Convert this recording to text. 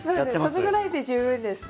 そのぐらいで十分です。